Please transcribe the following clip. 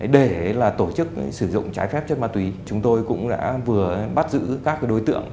để tổ chức sử dụng trái phép chất ma túy chúng tôi cũng đã vừa bắt giữ các đối tượng